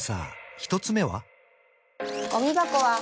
１つ目は？